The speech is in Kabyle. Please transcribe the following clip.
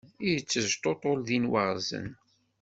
Yettejṭuṭul din waɣzen.